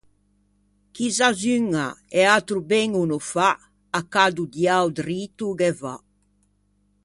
Chi zazzuña e atro ben o no fa, à cà do diao drito o ghe va.